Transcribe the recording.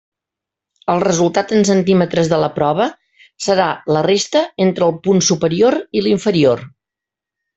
El resultat en centímetres de la prova serà la resta entre el punt superior i l'inferior.